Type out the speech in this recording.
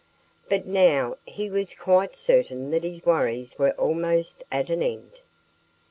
But now he was quite certain that his worries were almost at an end.